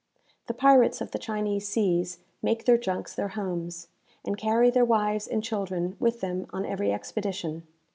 The pirates of the Chinese seas make their junks their homes, and carry their wives and children with them on every expedition.